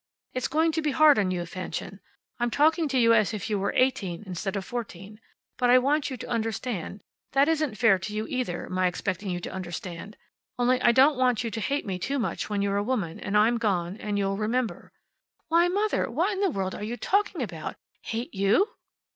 It's going to be hard on you, Fanchen. I'm talking to you as if you were eighteen, instead of fourteen. But I want you to understand. That isn't fair to you either my expecting you to understand. Only I don't want you to hate me too much when you're a woman, and I'm gone, and you'll remember " "Why, Mother, what in the world are you talking about? Hate you!"